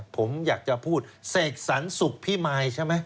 ผมอยากจะพูดเสกสรรสุขพิมายใช่ไหม